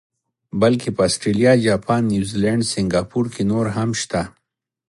بلکې پر اسټرالیا، جاپان، نیوزیلینډ، سنګاپور کې نور هم شته.